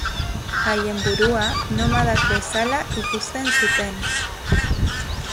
Haien burua nomadak bezala ikusten zuten.